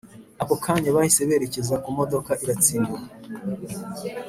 ako kanya bahise berekeza kumodoka iratsimbura